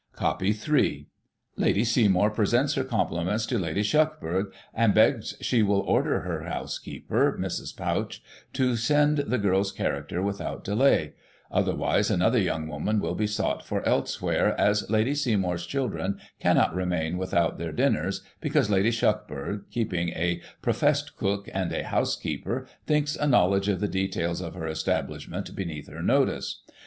(Copy 3.) "Lady Seymour presents her compliments to Lady Shuckburgh, and begs she will order her housekeeper, Mrs. Pouch, to send the girl's character without delay ; other wise, another young woman will be sought for elsewhere, as Lady Seymour's children cannot remain without their dinners, because Lady Shuckburgh, keeping * a proffessed cook and a housekeeper,' thinks a knowledge of the details of her estab lishment beneath her notice.